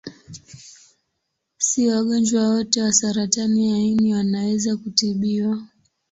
Si wagonjwa wote wa saratani ya ini wanaweza kutibiwa.